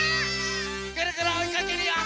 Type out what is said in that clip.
ぐるぐるおいかけるよ！